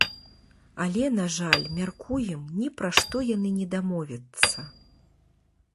Але, на жаль, мяркуем, ні пра што яны не дамовяцца.